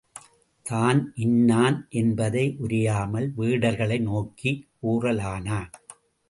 தான் இன்னான் என்பதை உரையாமல் வேடர்களை நோக்கிக் கூறலானான்.